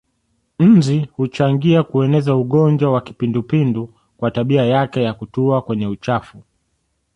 Nzi huchangia kueneza ugonjwa wa kipindupindu kwa tabia yake za kutua kwenye uchafu